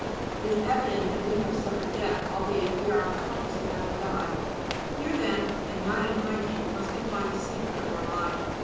It is evident that we have suffered death, albeit we are unconscious of having died. Here, then, and not in hygiene, must we find the secret of our life.